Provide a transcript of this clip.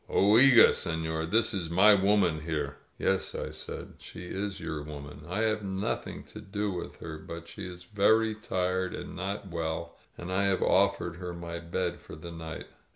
Oiga^ seiior, this is my woman here !" "Yes," I said. "She is your woman. I have noth ing to do with her. But she is very tired and not well, and I have offered her my bed for the night."